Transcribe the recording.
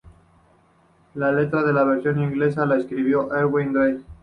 La letra de la versión inglesa la escribió Ervin Drake.